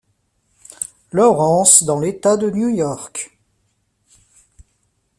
Lawrence dans l'État de New York.